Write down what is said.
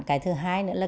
cái thứ hai nữa là